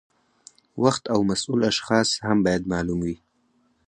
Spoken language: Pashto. وخت او مسؤل اشخاص هم باید معلوم وي.